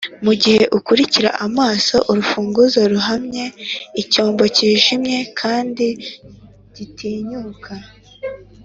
mugihe ukurikira amaso urufunguzo ruhamye, icyombo kijimye kandi gitinyuka;